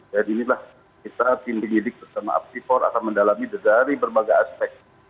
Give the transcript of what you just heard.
dan inilah kita tim penyelidik bersama aptifor akan mendalami dari berbagai aspek